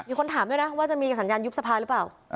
คนถามด้วยนะว่าจะมีสัญญาณยุบสภาหรือเปล่า